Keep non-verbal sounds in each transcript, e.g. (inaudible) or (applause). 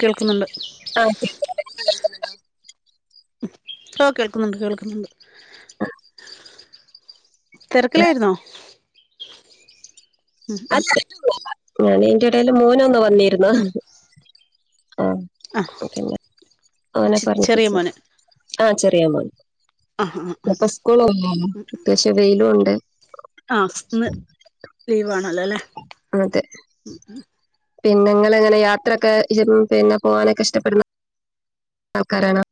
കേൾക്കുന്നുണ്ടോ ആ കേൾക്കു (unintelligible) ഓഹ്‌ കേൾക്കുന്നുണ്ട് കേൾക്കുന്നുണ്ട് തെരക്കിലായിരുന്നോ? (unintelligible) ഞാൻ ഇയിന്റെടെൽ മോൻ ഒന്ന് വന്നി ട്ടുന്ന ഉം ആഹ് ആ പിന്നെ അങ്ങനെ ചെ ചെറിയ പറഞ്ഞിപ്പിച്ച മോന് ആഹ് ചെറിയാ മോൻ ആ ആ പ്പോ സ്കൂളൊന്നും അത്യാവശ്യം വെയിലും ഉണ്ട് ആഹ് ന്ന് ലീവ് ആണല്ലോല്ലെ അതെ പിന്നെ നിങ്ങളെങ്ങനെ യാത്രെക്കെ പിന്നെ പോവാനൊക്കെ ഇഷ്ടപ്പെടുന്ന ആൾക്കാരാണ്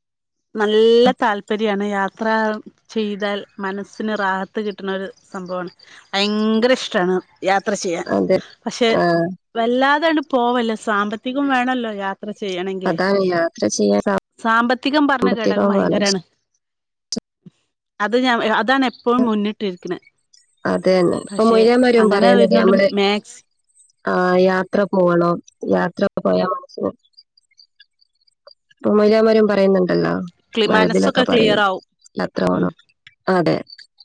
നല്ല താല്പര്യാണ് യാത്ര ചെയ്താൽ മനസ്സിന് റാഹത്ത് കിട്ടണൊരു സംഭവൊണ് ഭയങ്കര ഇഷ്ടാണ് യാത്ര ചെയ്യാൻ അതെ പക്ഷെ ആ, വല്ലാതാണ് പോവല്ല് സാമ്പത്തികം വേണല്ലോ യാ ത്ര ചെയ്യണെങ്കിൽ അതാണ് യാത്ര ചെയ്യാൻ സാമ്പത്തികം പറഞ്ഞ ഘടകം സാമ്പത്തികവുമാണ് ഭയങ്കരാണ് അത് ഞാൻ അതാണ് എപ്പോഴും മുന്നിട്ടിരിക്ക്ണ് അതന്നെ ഇപ്പൊ മൊയ്ലാന്മാരും പറയുന്നില്ലേ വരുന്നോണ്ട് നമ്മള് മാക്സ് ആഹ് യാത്ര പോണം യാത്രക്ക പോയാ മനസ പ്പോ മൊയിലിയാന്മാരും പറയുന്നുണ്ടല്ലോ വയ് ഇതിലൊക്കെ മനസ്സൊക്കെ ക്ലിയർ പറയും ആവും ഉം (unintelligible) അതെ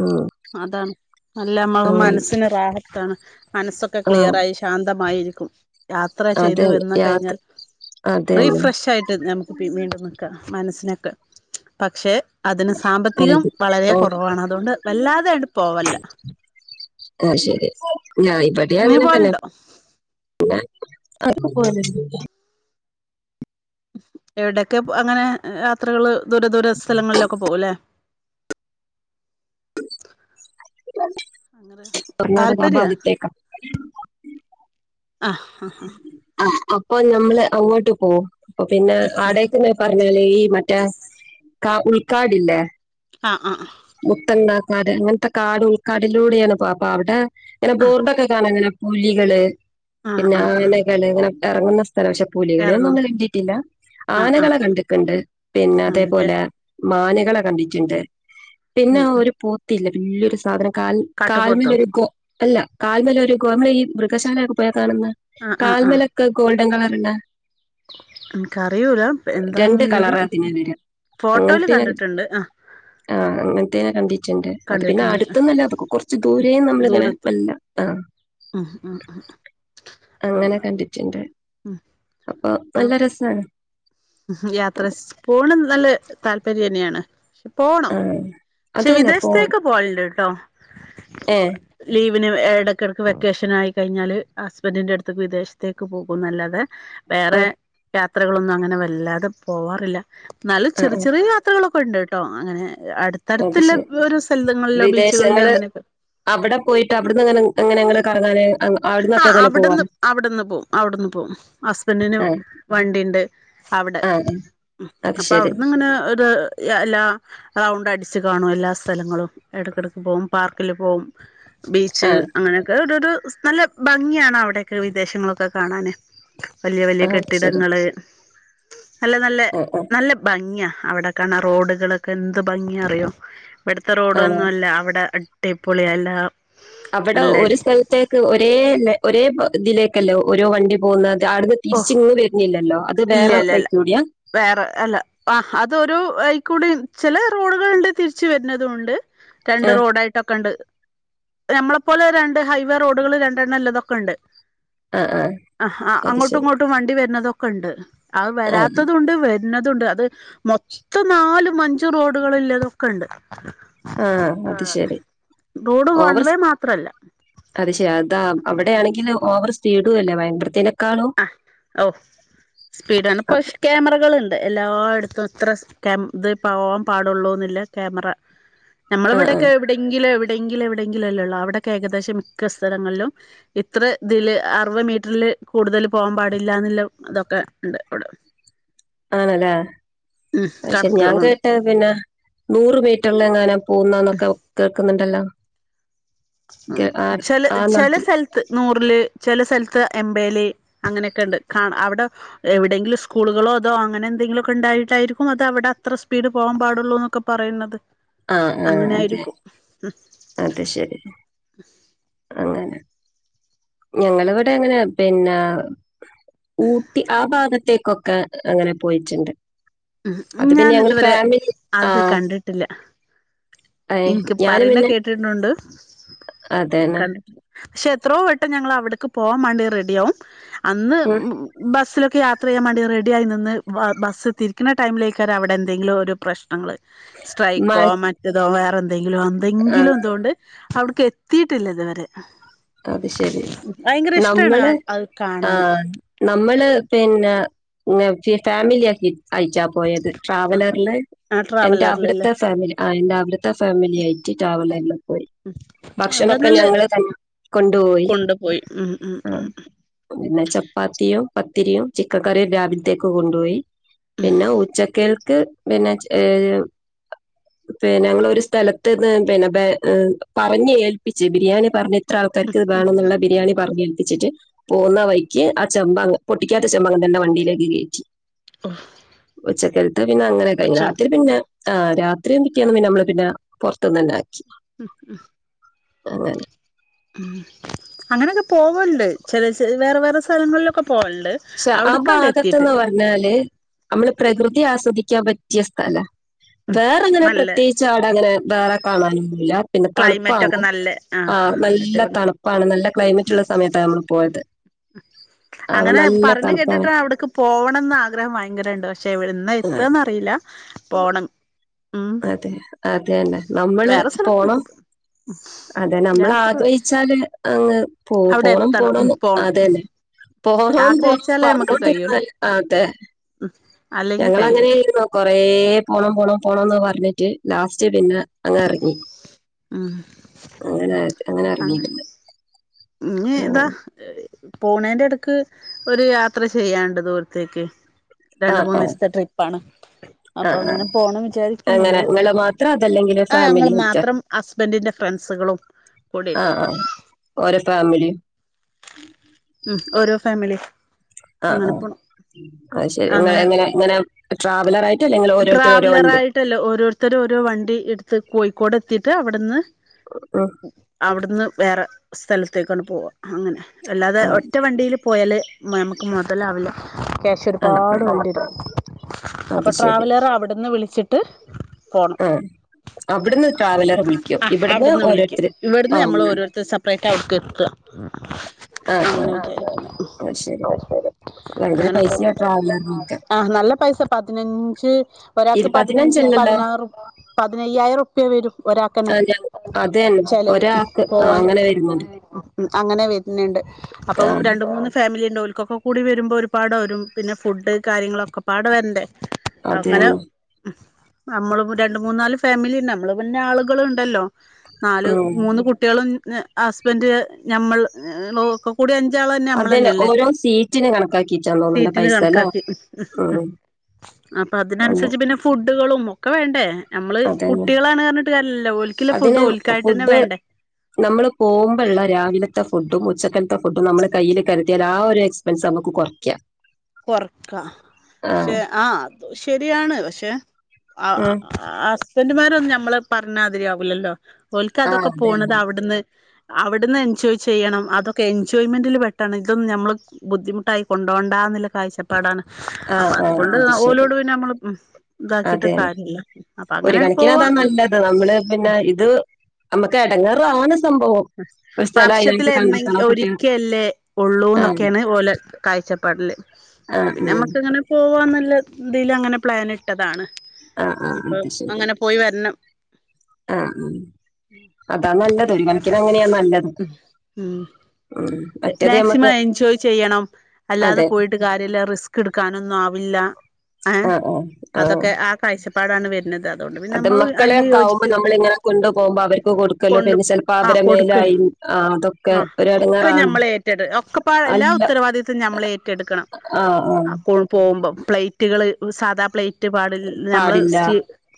ഉം അതാണ് അല്ല മ്മള അങ്ങനെ മനസ്സിന് റാഹത്താണ് മനസ്സൊക്കെ ആഹ് ക്ലിയർ ആയി ശാന്തമായിരിക്കും യാത്ര ചെയ്ത് അത് വന്ന് യാത്ര കഴിഞ്ഞാൽ അതന്നെ റീഫ്രഷായിട്ട് നമുക്ക് വീണ്ടും നിൽക്കുക മനസ്സിനൊക്കെ പക്ഷെ അതിന് സാമ്പത്തികം വളരെ കുറവാണ് അതുകൊണ്ട് വല്ലാതെട് പോവല്ല ഓഹ് ശെരി ഞാൻ ഇബ്ടെ നീ അങ്ങനെ തന്നെ പോവലുണ്ടോ പിന്നാ (unintelligible) എവിടെക്കെ അങ്ങനെ യാത്രകള് ദൂര ദൂര സ്ഥലങ്ങളിലൊക്കെ പോകുല്ലേ അങ്ങനെ കർണാടക താല്പര്യ ഭാഗത്തേക്ക ആഹ് ആഹ് അപ്പൊ നമ്മള് അങ്ങോട്ട് പോവും അപ്പൊ പിന്നെ ആടേക്ക് പറഞ്ഞല് ഈ മറ്റേ കാ ഉൾക്കാടില്ലേ ആഹ് ആഹ് ആഹ് മുത്തണ്ണ കാട് അങ്ങൻത്തെ കാട് ഉൾക്കാടിലൂടെയാണ് പോ അപ്പ അവടെ ഇങ്ങനെ ബോർഡൊക്കെ കണ ഇങ്ങനാ പുലികള് ആഹ് ആഹ് പിന്നെ ആഹ് ആഹ് ആനകള് ഇങ്ങനെ ഇറങ്ങുന്ന സ്ഥലം പക്ഷെ ഇറങ്ങും പുലികളെയൊന്നും കണ്ടിട്ടില്ല ആഹ് ആഹ് ആനകളെ ആഹ് കണ്ട്ക്ക്ണ്ട് പിന്നെ ആണല്ലേ അതേപോലെ മാന്കളെ കണ്ടിട്ട്ണ്ട് പിന്നെ ഉം ഒരു പോത്തില്ലേ ബെല്ലിയൊരു സാധനം കാൽ കാട്ടുപോത്തോ കാല്മേലൊരു ഗോ അല്ല കാൽമേൽ ഒരു ഗോ നമ്മള് ഈ മൃഗശാലയൊക്കെ പോയാ കാണ്ന്ന ആഹ് ആഹ് കാൽമേലൊക്കെ ഗോൾഡൻ കളർള്ളാ എൻക്കറിയൂല രണ്ട് എന്താന്ന്ല്ലത് കളറാ അതിന് വരാ ഫോട്ടോല് കണ്ട്ട്ട്ണ്ട് ആഹ് ആഹ് അങ്ങൻത്തെനെ കണ്ടി ട്ട്ണ്ട് അത് പിന്നെ കണ്ടിട്ടുണ്ട് അട്ത്ത്ന്നല്ല അതക്കെ കൊർച്ച് ദുരെന്ന് നമ്മള്ങ്ങനെ ദൂരത്ത് വല്ല ആഹ് ഉം ഉം ഉം ഉം അങ്ങനെ കണ്ട്ട്ട്ണ്ട് ഉം അപ്പൊ നല്ല ഞങ്ങള് രസാണ് യാത്ര സ് പോണ് നല്ല താല്പര്യന്നെയാണ് പോണം ആ പക്ഷെ അതന്നെ പോ വിദേശത്തേക്ക് പോവാല്ണ്ട് ട്ടോ ഏ ലീവിന് എടയ്ക്ക് എടക്ക് വെക്കേഷൻ ആയി കഴിഞ്ഞാല് ഹസ്ബൻന്റിന്റെ അട്ത്ത്ക്ക് വിദേശത്തേക്ക് പോകുംന്നല്ലാതെ ആ വേറെ യാത്രകളൊന്നും അങ്ങനെ വല്ലാതെ പോവാറില്ല ന്നാലും ആ ചെറി ആ ചെറിയ ത്രകളൊക്കെ ഉണ്ട്ട്ടോ അങ്ങനെ അത് അട്ത്തട്ത്ത്ല്ലാ ശരി ഓരോ സ്ഥലങ്ങളിലോ ബീച്ചുകളിലോ അങ്ങനെയൊക്കെ അവ്ടെ പോയിട്ട് അബ്ട്ന്ന്ങ്ങനെ എങ്ങനെങ്ങള് കറങ്ങാന് അങ്ങ് ആട് ആഹ് അവ്ട്ന്ന് അവ്ട്ന്ന് പോം അവ്ട്ന്ന് പോവും ഹസ്ബന്റിന് ആ വണ്ടിണ്ട് അവ്ടെ ആ ആ, അത് അപ്പൊ ശരി അവ്ട്ന്ന് ഇങ്ങനെ ഒര് യാ ല്ലാ റൗണ്ട് അടിച്ച് കാണും എല്ലാ സ്ഥലങ്ങളും ഇടക്കേടക്ക് പോം പാർക്കില് പോം ബീച്ച് ആ അങ്ങനൊക്കെ ഒരോര് സ് നല്ല ഭംഗിയാണ് അവ്ടോക്കെ വിദേശങ്ങളൊക്കെ കാണന് വല്യ വല്യ ആഹ് കെട്ടിടങ്ങള് നല്ല നല്ലേ ഓഓ നല്ല ഭംഗിയാ അവിടെക്കാണ റോഡ്കളൊക്കെ എന്ത് ഭംഗിയ അറിയോ ഇബട്ത്തെ ആണോ റോഡൊന്നും അല്ല അവടെ അടിപ്പൊളിയാ അല്ല അവടെ ഒര് സ്ഥലത്തേക്ക് ഒരേല്ലേ ഒരേ ഇതിലേക്കല്ലേ ഓരോ വണ്ടി പോക്ന്നത് ആട്ന്ന് ഓ തിര്ച്ച് ഇങ്ങോട് വര്ന്നില്ലല്ലോ അത് ഇല്ല ബേറെ ഇല്ല വയ്ക്കൂടിയാ വേറെ അല്ല ആ അതൊരൂ അയ്ക്കൂടിം ചേല റോഡ്കള്ണ്ട് തിരിച്ച് വര്ന്നതും ഉണ്ട്. രണ്ട് ആഹ് റോഡായിട്ടൊക്കെ ഇണ്ട് നമ്മളെപ്പോലെ രണ്ട് ഹൈവേ റോഡ്കള് രണ്ടെണ്ണം ല്ലതൊക്കെ ഇണ്ട് ആഹ് ആഹ് അഹ് ആ അത് അങ്ങോട്ടും ശരി ഇങ്ങോട്ടും വണ്ടി വര്ന്നതൊക്കെ ഉണ്ട് അഹ് ആഹ് വരാത്തത്ണ്ട് വര് ണതുണ്ട് അത് മൊത്തം നാലും മഞ്ചും റോഡ്കള്ല്ലതൊക്കെ ഇണ്ട് ആ അത് ശരി റോഡ് വൺ ഓവറ് വേ മാത്രല്ല അത് ശെ അതാ അവിടെയാണെങ്കില് ഓവറ് സ്പീഡും അല്ല വയ്മ്പരത്തേനെക്കാളും ആ ഓ സ്പീഡാണ് അപ് ഇപ്പഷ് ക്യാമറകള് ഇണ്ട് എല്ലാട്ത്തുംത്ര ക്യാമ ഇത് പവോൻ പാടുള്ളൂന്നില്ല ക്യാമറ നമ്മള ആഹ് ആഹ് ഇവിടക്കെ ടെങ്കിലും എവിടെങ്കിലും എവിടെങ്കിലുംല്ലേള്ളാ അവിടെക്കെ ഏകദേശം മിക്ക സ്ഥലങ്ങളിലും. ഇത്ര ഇതില് അറുവത് മീറ്റർല് കൂട്തൽ പോവാൻ പാടില്ല ന്ന്ല്ലാ ഇതൊക്കെ ഇണ്ട് അവടെ അങ്ങനല്ലേ ഉം അഹ് ശരി ഞാൻ കണക്കുകളുണ്ട് കേട്ട് പിന്നെ നൂറ് മീറ്ററില് എങ്ങാനും. പോവ്ന്ന്ന്നൊക്കെ കേക്ക്ന്ന്ണ്ടല്ലോ ചെല ചെല സെൽ ത്ത് നൂറില് ചെല സ്ഥലത്ത് എംപല് അങ്ങനെക്കെ ഇണ്ട് കാണ അവടെ എവിടെങ്കിലും സ്കൂളുകളോ അതോ അങ്ങനെ എന്തെങ്കിലും ഒക്കെ ഉണ്ടായിട്ടായിരിക്കും. അത് അവടെ അത്ര സ്പീഡ് പോവാൻ പാടൊള്ളൂന്നൊക്കെ പറയ്ന്നത്. ആഹ് ആഹ് അതെ അങ്ങനായിരിക്കും. ഉം അത് ശെരി അ (inaudible) ഞങ്ങളിവിടെ അങ്ങനെ പിന്നെ ഊട്ടി ആ ഭാഗത്തേക്കൊക്കെ അങ്ങനെ പോയിട്ടുണ്ട്. ഉ അത് പിന്നെ ഞാൻ ഞങ്ങള് ഇതുവരെ ഫാമിലി അത് ആഹ് കണ്ടിട്ടില്ല. ഏഹ് ഇനിക്ക് ഞാന് പറയുന്ന പിന്നെ കേട്ടിട്ടുണ്ട് അതന്നെ. കണ്ടിട്ട പക്ഷെ എത്രയോ വട്ടം ഞങ്ങൾ അവിടക്ക് പോകാൻ വേണ്ടി റെഡിയവും. അന്ന് ഉം ഉ ബസ്സിലൊക്കെ യാത്ര ചെയ്യാൻ വേണ്ടി റെഡി ആയി നിന്ന്. ബസ് ടൈമിലേക്ക അവിടെ എന്തെങ്കിലും ഒരു പ്രശ്നങ്ങൾ മ സ്ട്രൈക്കോ മറ്റതോ വേറെ എന്തെങ്കിലോ എന്തെങ്കിലും ആഹ് എന്തുകൊണ്ട് അവിടക്ക് എത്തിട്ടില്ല ഇതുവരെ അത് ശരി ഭയങ്കര ഇഷ്ടാണ് നമ്മള് അത് കാണാന് ആഹ് നമ്മള് പിന്നെ ഫാമിലി ആക്കി അയച്ചാ പോയത് ആ ട്രാവലറില് ആ എന്റെ ട്രാവലറിലല്ലേ അവിടുത്തെ ഫാമിലി ആ എന്റെറെ അവിടുത്തെ ഫാമിലി ആയിട്ട് ട്രാവൽ ആ പോയി ഉം അവിടെ ഭക്ഷണമൊക്കെ നല്ല ഞങ്ങള് തന്നെ കൊണ്ടുപോയി. കൊണ്ടുപോയി ഉം ഉം ഉ ആഹ് പിന്നെ ചപ്പാത്തിയും പത്തിരിയും ചിക്കൻ കറിയും രാവിലത്തേക്ക് കൊണ്ടുപോയി ഉം പിന്നെ ഉച്ചക്കേൾക്ക് പിന്നെ ഏ പിന്നെ ഞങ്ങളൊ ഒരു സ്ഥലത്ത്ന്ന് പിന്നെ പറഞ്ഞഞ് ഏൽപ്പിച്ച് ബിരിയാണി പറഞ്ഞ- ഇത്ര ആൾക്കാർക്ക് ഇത് ഉം ഉം വേണംമേന്നുള്ള ബിരിയാണി പറഞ്ഞ് എൽപ്പിച്ചിട്ട്. പോകുന്ന വൈക്ക് ആ ചെമ്പ പൊട്ടിക്കാത്ത ചെമ്പങ്ങ തന്റെ വണ്ടിയിലേക്ക് കയറ്റി. ഓഹ് ഉച്ചക്കറത്തോ പിന്നെ അങ്ങനെ കഴി രാത്രി പിന്നെ ആ രാത്രിയും പിറ്റേന്ന് നമ്മള് പിന്നെ പുറത്തു നിന്ന്ന്നെ ആാക്കി ഉം ഉം അതെതെ ഉം അങ്ങനെയൊക്കെ പോവ്വുണ്ട് ചെല ചെല വേറെ വേറെ സ്ഥലങ്ങളിലൊക്കെ പോൾണ്ട് അവിടുക്കാണ്ട് എത്തിയിട്ടില്ല എന്നാല് നമ്മള് പ്രകൃതി ആസ്വദിക്കാൻ പറ്റിയ സ്ഥല ഉം വേറെങ്ങനെ നല്ല പ്രത്യേകിച്ച് ചാട അങ്ങനെ വേറെ കാണാനു ഒന്നുമില്ല പിന്നെ ക്ലൈമറ്റ് ഒക്കെ തണുപ്പാണ് നല്ല ആ നല്ല അടിപൊളി തണുപ്പാണ് നല്ല ക്ലൈമറ്റ് ഉള്ള സമയത്താണ് നമ്മൾ പോയത് അപ്പൊ അങ്ങനെ നല്ല പറണ് തണുപ്പാണ് കേട്ടിട്ടാ അവിടെക്ക് പോകണംന്ന് ആഗ്രഹം ഭയങ്കര ഉണ്ട് പക്ഷെ ഇവിടെന്ന് ആ എത്തുകന്നറിയില്ല പോണം ഉ അതെ അതെ തന്നെ നമ്മള് പോണം സ്ഥലങ്ങളൊക്കെ പോവും അതെ നമ്മൾ യാത്ര ആഗ്രഹിച്ചാല് അങ്ങ് പോ അവിടെ പോണം എത്തണം ഉം പോണെന്ന് പോണം അതന്നെ പോണം പോണം ആഗ്രഹിച്ചാലേ നമുക്ക് പറഞ്ഞോണ്ടിരുന്ന കഴിയുള്ളൂ ആതെ ഉം അല്ലെങ്കിൽ ഞങ്ങള് കഴിയൂല അങ്ങനെയാ ഇരുന്നത് കൊറെ പോണം പോണം പോണന്ന് പറഞ്ഞിട്ട് ലാസ്റ്റ് പിന്നെ അങ്ങ് എറങ്ങി ഉം അങ്ങനെ അങ്ങനെ എറങ്ങിട്ടുണ്ട് ഇ ഇതാ പോണേന്റെ എടക്ക് ഒരു യാത്ര ചെയ്യാണ്ട് ദൂരത്തേക്ക് ആ രണ്ട് മൂന്ന് ആ ആ ദിവസത്തെ ട്രിപ്പാണ് അപ്പൊ ആ ആ. അങ്ങനെ പോണം അങ്ങനെ വിചാരിക്കുന്നുണ്ട് നിങ്ങള് മാത്രം അതല്ലെങ്കിൽ ആഹ് ഞങ്ങൾ ഫാമിലി മറ്റോ മാത്രം ഹസ്ബൻഡിന്റെ ഫ്രണ്ട്സുകളും കൂടിയിട്ട് ആഹ് ആഹ് ഓരോ ഫാമിലി ഉം ഓരോ ഫാമിലി ആഹ് അങ്ങനെ ആഹ് പോണം അത് ശരി നിങ്ങള് അങ്ങനെ എങ്ങനാ എങ്ങനാ ട്രാവലർ ആയിട്ടെല്ലെ നിങ്ങൾ ഓരോരുത്തരും ഓരോ വണ്ടി ഇട്ടല്ല ഓരോരുത്തരും ഓരോ വണ്ടി എടുത്ത് കോഴിക്കോട് എത്തിട്ട് അവിടെന്ന് ട്ട് (unintelligible) അവിടെന്ന് വേറെ സ്ഥലത്തേക്കാണ് പോവുക അങ്ങനെ അല്ലാതെ ആ ഒറ്റ വണ്ടിയില് പോയാല് നമക്ക് മെതലാവില്ല ക്യാഷ് ആ ആ ഒരുപാട് വേണ്ടിവരും അപ്പെ അത് ട്രാവലർ അവിടുന്ന് വിളിച്ചിട്ട് ആഹ് ആഹ് ഇവിടുന്ന് അവിടെന്ന് വിളിക്കും ഓരോരുത്തര് ആ ഇവിടുന്ന് നമ്മൾ അങ്ങനെ ഓരോരുത്തര് സപ്പറേറ്റ് അവിടെക്ക് എത്തുക ആ ആ അങ്ങനെ ആ ശരി ആയത് ഭയങ്കര തന്നെ ആഹ് പൈസയാ നല്ല ട്രാവലറിനൊക്കെ ആഹ് നല്ല പ ഒരു ദിവസം പതിനഞ്ച് ഒരാൾക്ക് ഇരു പതിനഞ്ച് പതിനഞ്ചല്ലല്ലോ പതിനാറ് പതിനയ്യായിരം റു പിന്നെ വരും ഒരാക്കാന്നെ ആ ഞാൻ അത് തന്നെ ചെലവ് ഉം ഒരാൾക്ക് ആ പോവാന് അങ്ങനെ വരുന്നുണ്ട് അങ്ങനെ വെരുന്നുണ്ട് ആ അപ്പം രണ്ട് മൂന്ന് ഫാമിലി ഉണ്ട് ഓൽക്കൊപ്പം കൂടി വരുമ്പോ ഒരുപാട് വരും പിന്നെ ഫുഡ് കാര്യങ്ങളൊക്കെ പാട് വരണ്ടേ അത് അങ്ങനെ തന്നെ നമ്മള് രണ്ട് മൂന്ന് നാല് ഫാമിലി നമ്മള് പിന്നെ ആളുകളും ഒണ്ടല്ലോ നാല് ഉം മൂന്ന് കുട്ടികളും ഹസ്ബൻഡ് നമ്മൾ ഒക്കെ കൂടി അഞ്ച് അഞ്ചാള് തന്നെ അത് നമ്മള് തന്നെല്ലേ ഓരോ സീറ്റിന് കണക്കാക്കിയിട്ടാന്ന് തോന്നുന്നുണ്ട് സീറ്റിന് പൈസ അല്ലേ കണക്കാക്കി ഉ ഉം അപ്പൊ അതിന് അന്ന് അനുസരിച്ച് പിന്നെ ഫുഡുകളും ഒക്കെ വേണ്ടേ നമ്മള് അതന്നെ കുട്ടികളാണ് പറഞ്ഞിട്ട് കാര്യയില്ലല്ലോ ഓലിക്കയിട്ടുള്ള ഫുഡ് ഓലിക്കായിട്ട്‌ തന്നെ വേണ്ടേ നമ്മള് പോകുമ്പഴുള്ള രാവിലത്തെ ഫുഡും ഉച്ചക്കലത്തെ ഫുഡും നമ്മള് കയ്യില് കരു ആഹ് ഒരു എക്സ്പെൻസ് നമ്മക്ക് കെറയ്ക്കാം കൊറക്കാം ആ ശ അത് ശരിയാണ് പക്ഷെ ആ ഉം ഹസ്ബൻഡുമാരൊന്നും നമ്മള് പറഞ്ഞ മാതിരി ആവില്ലല്ലോ ഓൾക്ക് ആ അതൊക്കെ അതെ പോണത് അവിടെന്ന് അവിടെന്ന് എൻജോയ് ചെയ്യണം അതൊക്കെ എൻജോയ്മെന്റിൽ പെട്ടതാണ് ഇത് ഒന്നും നമ്മള്ക്ക് ബുദ്ധിമുട്ടായി കൊണ്ടു വോണ്ടാന്ന് കാഴ്ചപ്പാടാണ് ആ അപ്പൊ ആ അതുകൊണ്ട് അത് ശരി ഓലോട് പിന്നെ നമ്മള് ഉം ഇതാക്കിട്ട് അതെ കാര്യയില്ല അപ്പൊ അങ്ങനെ പോവാ അ നമ്മള് പിന്നെ ഇത് നമ്മക്ക് എടങ്ങാറാണ് സംഭവം ഒരു സ്ഥലം വർഷത്തി അതിനായിട്ട് കണ്ടെത്തണം എന്നെങ്ക കുട്ടികൾ ഒരിക്കല്ലേ ഉള്ളൂ ആ ഒക്കെയാണ് ഓലെ കാഴ്ചപ്പാടില് ആഹ് പിന്നെ ഉം നമ്മക്ക് അങ്ങനെ പോവാന്നുള്ള ഇതിൽ അങ്ങനെ പ്ലേൻ ഇട്ടതാണ് ആ ആ ഇപ്പം അത് അങ്ങനെ പോയി വരണം ആഹ് ഉം അതാ നല്ലത് ഒരു കണക്കിന് അങ്ങനെയാ നല്ലത് ഉം ഉം. മറ്റേത് മാക്സിമം നമുക്ക് എൻജോയ് ചെയ്യണം അല്ലാതെ അതെ പോയി- റിസ്ക് എടുക്കാനൊന്നും ആവില്ല ഏഹ് ആ ആ അതൊക്കെ ആ കാഴ്ച പ്പാടാണ് വരുന്നത് അതുകൊണ്ട് പിന്നെ അത് നമ്മൾ മക്കളെ അതിൽ ഒക്കെ ആവുമ്പോ നമ്മളിങ്ങനെ കൊണ്ടുപോകുമ്പോ അവർക്ക് യോജിക്കുന്നു കൊടുക്കലോ കൊണ്ട പിന്നെ ചിലപ്പോ ആഹ് അവരെ കൊടുക്കല് മേലായി ആ, അതൊക്കെ ആ ഒരു ഒക്കെ ഇടങ്ങേറാണ് ഞമ്മള് ഏറ്റെട് ഒക്കെ പാട് അല്ല എല്ലാഉത്തരവാദിത്വ ഞമ്മള് ഏറ്റ ടുക്കണം ആ ആ അപ്പോൾ - ണ്ടുപോകുമ്പോം പ്ലേറ്റുകള് സാധാ പ്ലേറ്റ് പാട നമ്മള് പാടില്ല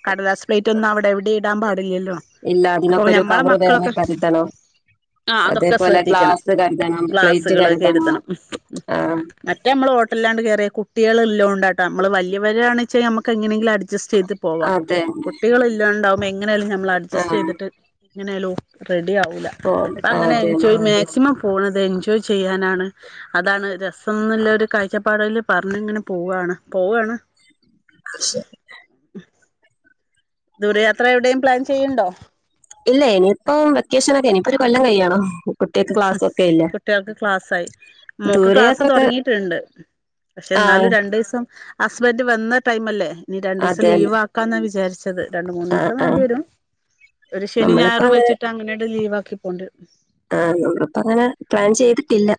കടലാസ്പ്ളേറ്റ് ഒന്നും അവിടെ എവിടെ ഇടാൻ പാടില്ലല്ലോ ഇല്ല അതിനൊക്കെ അപ്പൊ ഒരു ഞമ്മളെ കവറ് വേറെ മക്കളൊക്കെ കരുതണം ആ അതൊക്കെ അതേപോലെ ശ്രദ്ധിക്കണം ഗ്ലാസ് കരുതണം പ്ലേറ്റ് ഗ്ലാസുകൾ കരുതണം ആ മറ്റേ നമ്മൾ ഹോട്ടലാണ്ട് കയറിയ കുട്ടികൾ ഇല്ലോ ഉണ്ടാട്ട നമ്മള് വല്യവരാണ വെച്ചാൽ നമക്ക് എങ്ങനെങ്കിലും അഡ്ജസ്റ്റ് ചെയ്ത് പോവാം അതെ കുട്ടികള ഇല്ലണ്ടാവുമ്പോൾ എങ്ങനെയാലും നമ്മൾ അഡ്ജസ്റ്റ് ആഹ് ചെയ്തിട്ട് എങ്ങനൊലോ റെഡി ആവില്ല ഓ അപ്പ അങ്ങനെ അതെ എൻജോയ് മാക്സിമം പോണത് എൻജോയ് ചെയ്യാനാണ് അതാണ് രസനുള്ള ഒരു കാഴ്ചപ്പാടിൽ പറഞ്ഞ ഇങ്ങനെ പോവാണ് പോവയാണ് പക്ഷെ ദൂരയാത്ര എവിടെയും പ്ലാൻ ചെയ്യുണ്ടോ? ഇല്ല ഇനിയിപ്പ വെക്കേഷന് ഒക്കെ ഇനിയിപ്പൊ ഒരു കൊല്ലം കഴിയണം കുട്ടികൾക്ക് ക്ലാസ്സൊക്കെ ഇല്ലേ. കുട്ടികൾക്ക് ക്ലാസ്സായി മോക്ക് ക്ലാസ്സ് ദൂരയാത്രൊക്കെ തുടങ്ങിട്ടുണ്ട് പക്ഷെ എന്നാലും ആഹ് രണ്ടു ദിവസം ഹസ്ബൻഡ് വന്ന ടൈം അല്ലേ ഇനി രണ്ടു ദിവസം അതെന്നെ ലീവ് ആക്കാന്നാ വിചാരിച്ച ത് രണ്ടു മൂന്ന് ആഹ് ദിവസം വേണ്ടി ആഹ് വരും ഒരു ശനി നമ്മളിപ്പോ ഞായറും അങ്ങനെ വെച്ചിട്ട് അങ്ങനെട്ട ലീവാക്കി പോണ്ടിവരും ആഹ നമ്മളപ്പ അങ്ങനെ പ്ലാൻ ചെയ്തിട്ടില്ല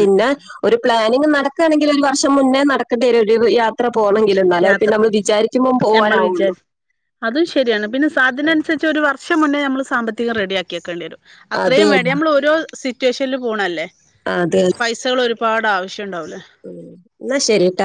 ഉം ഒരു പ്ലാനിങ് നടക്കയാണെങ്കിൽ ഒരു വർഷം മുന്നേ നടക്കണ്ടരും ഒരു യാ ത്ര പോകണെങ്കിലും എന്നല്ലേ പിന്നെ യാത്ര നമ്മള് വിചാരിക്കുമ്പ ഞമ്മൾ പോകാനാവുള്ളു വിചാരി അതും ശരിയാണ് പിന്നെ അതിനനുസരിച്ച് ഒരു വർഷം മുന്നേ നമ്മൾ സാമ്പത്തിക റെഡിയാക്കിവെക്കേണ്ടി വരും അതെ അത്രയും വേണ്ട നമ്മൾ ഓരോ സിറ്റുവേഷനിൽ പോണല്ലേ ആഹ് അതെ അതെ പൈസകൾ ഒരുപാട് ആവശ്യണ്ടാവിടെ ഉം എന്നാ ശരിട്ടാ